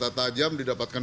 ya senjata tajam didapatkan